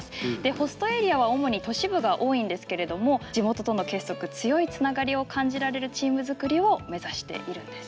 ホストエリアは主に都市部が多いんですけれども地元との結束強いつながりを感じられるチームづくりを目指しているんです。